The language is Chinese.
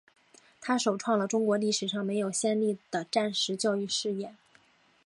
它首创了中国历史上没有先例的战时教育事业。